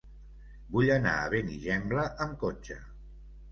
Vull anar a Benigembla amb cotxe.